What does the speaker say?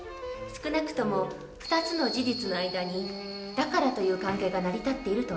少なくとも２つの事実の間に「だから」という関係が成り立っているとは断定できない。